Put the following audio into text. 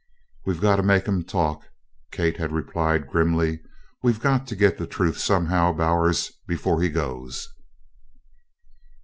"We've got to make him talk," Kate had replied grimly. "We've got to get the truth somehow, Bowers, before he goes."